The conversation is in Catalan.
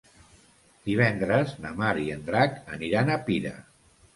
Divendres na Mar i en Drac aniran a Pira.